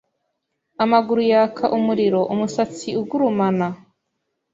Amaguru yaka umuriro umusatsi ugurumana